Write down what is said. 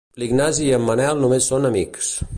L'Ignasi i en Manel només són amics.